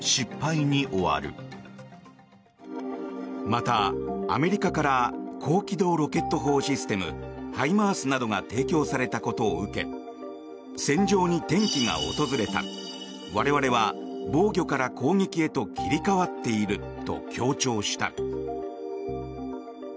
またアメリカから高機動ロケット砲システムＨＩＭＡＲＳなどが提供されたことを受け戦場に転機が訪れた我々は防御から攻撃へと切り替わっていると強調した。